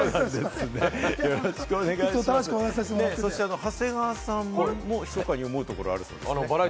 そして長谷川さんも思うところがあるそうで。